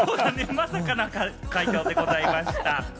まさかの解答でございました。